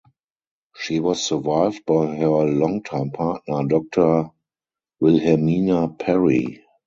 She was survived by her longtime partner, Doctor Wilhelmina Perry.